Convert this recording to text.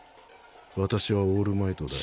私はオールマイトだよ。